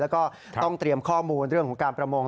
แล้วก็ต้องเตรียมข้อมูลเรื่องของการประมง